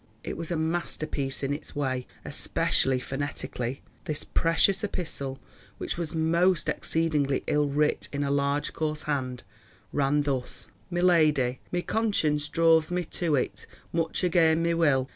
It was a master piece in its way, especially phonetically. This precious epistle, which was most exceedingly ill writ in a large coarse hand, ran thus: "MY LADI,—My consence druvs me to it, much again my will.